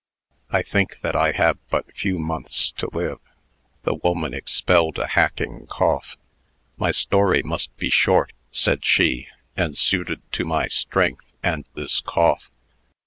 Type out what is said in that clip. I think that I have but few months to live." The woman expelled a hacking cough. "My story must be short," said she, "and suited to my strength and this cough.